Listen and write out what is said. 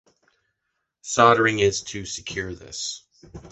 Soldering is to secure this.